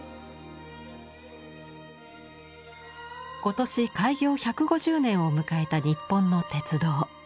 今年開業１５０年を迎えた日本の鉄道。